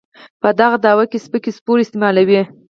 په دغه دعوه کې سپکې سپورې استعمالوي.